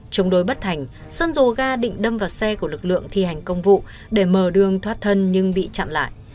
chống đối bất thành sơn dồ ga định đâm vào xe của lực lượng thi hành công vụ để mở đường thoát thân nhưng bị chặn lại